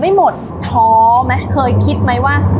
ไม่หมดท้อไหมเคยคิดไหมว่า